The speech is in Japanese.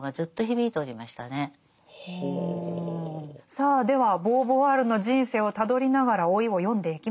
さあではボーヴォワールの人生をたどりながら「老い」を読んでいきましょう。